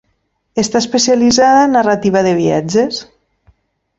Està especialitzada en narrativa de viatges.